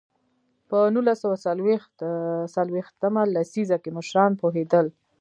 په نولس سوه څلوېښت مه لسیزه کې مشران پوهېدل.